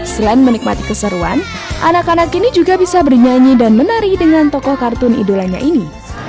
selain menikmati keseruan anak anak ini juga bisa bernyanyi dan menari dengan tokoh kartun idolanya ini